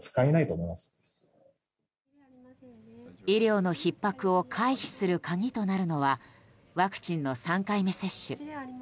医療のひっ迫を回避する鍵となるのはワクチンの３回目接種。